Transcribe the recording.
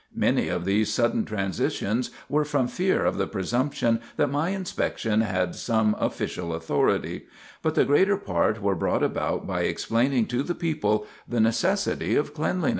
Many of these sudden transitions were from fear of the presumption that my inspection had some official authority; but the greater part were brought about by explaining to the people the necessity of cleanliness.